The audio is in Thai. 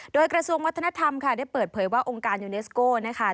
โดยกระทรวงวัฒนธรรมค่ะได้เปิดเผยว่าองค์การยูเนสโก้นะคะ